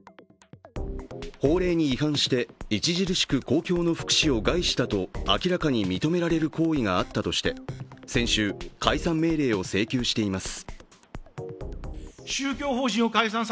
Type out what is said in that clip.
法令に違反して著しく公共の福祉を害したと明らかに認められる行為があったとして、先週、解散命令を請求しています。